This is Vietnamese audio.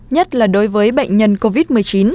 nhất là đối với bệnh nhân covid một mươi chín